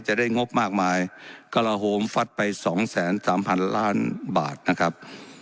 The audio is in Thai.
งบมากมายกระลาโหมฟัดไปสองแสนสามพันล้านบาทนะครับ